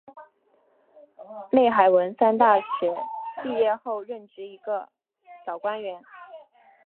内海文三大学毕业后任职一个小官员。